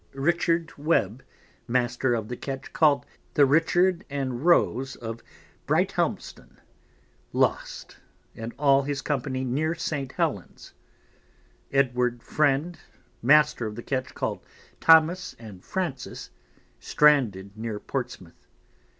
Richard Webb, Master of the Ketch call'd the Richard and Rose of Brighthelmston, lost, and all his Company near St. Hellens. Edward Friend, Master of the Ketch call'd Thomas and Francis, stranded near Portsmouth.